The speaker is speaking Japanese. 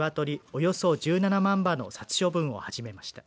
およそ１７万羽の殺処分を始めました。